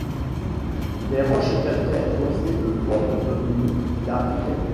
Des roches calcaires creusées de grottes dominent la rivière.